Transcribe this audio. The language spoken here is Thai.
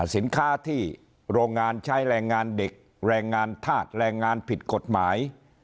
สินค้าที่โรงงานใช้แรงงานเด็กแรงงานธาตุแรงงานผิดกฎหมาย